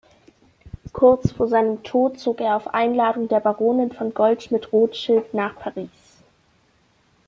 Kurz vor seinem Tod zog er auf Einladung der Baronin von Goldschmidt-Rothschild nach Paris.